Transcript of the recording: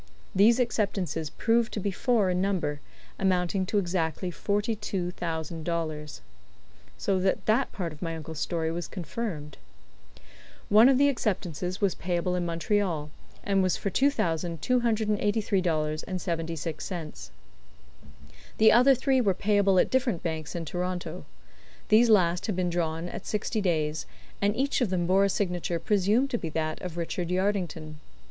These acceptances proved to be four in number, amounting to exactly forty two thousand dollars. So that that part of my uncle's story was confirmed. One of the acceptances was payable in Montreal, and was for $2,283.76. The other three were payable at different banks in Toronto. These last had been drawn at sixty days, and each of them bore a signature presumed to be that of Richard Yardington.